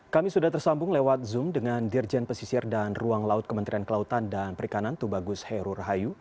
kami sudah tersambung lewat zoom dengan dirjen pesisir dan ruang laut kementerian kelautan dan perikanan tubagus heru rahayu